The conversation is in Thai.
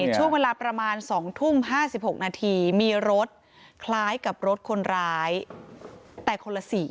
ช่วงเวลาประมาณ๒ทุ่ม๕๖นาทีมีรถคล้ายกับรถคนร้ายแต่คนละ๔